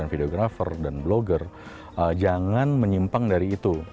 dengan videographer dan blogger jangan menyimpang dari itu